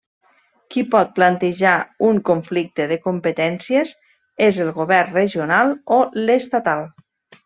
Qui pot plantejar un conflicte de competències és el govern regional o l'estatal.